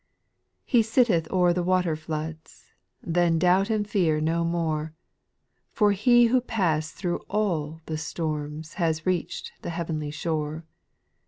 7. He sitteth o'er the waterfloods ;— Then doubt and fear no more, For He who pass'd through all the storms Has reach' d the heavenly shore.